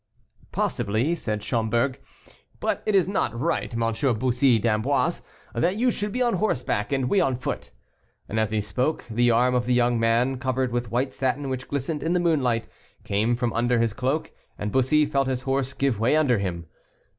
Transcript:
"Possibly," said Schomberg; "but it is not right, M. Bussy d'Amboise, that you should be on horseback and we on foot." And as he spoke, the arm of the young man, covered with white satin, which glistened in the moonlight, came from under his cloak, and Bussy felt his horse give way under him.